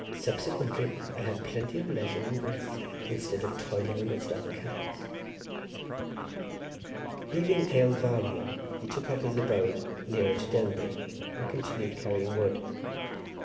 Subsequently I had plenty of leisure and rest, instead of toiling amidst other carriers." Leaving Ale Fowlio, he took up his abode nearer to Denbigh, and continued carrying wood.